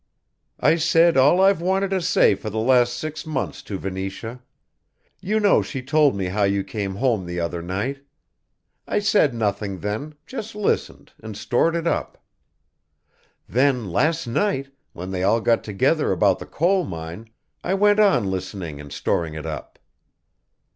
I said all I've wanted to say for the last six months to Venetia. You know she told me how you came home the other night. I said nothing then, just listened and stored it up. Then, last night, when they all got together about the coal mine I went on listening and storing it up.